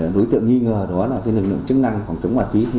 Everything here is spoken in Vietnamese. đối tượng nghi ngờ đó là lực lượng chức năng phòng chống ma túy